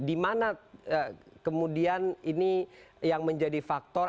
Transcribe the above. di mana kemudian ini yang menjadi faktor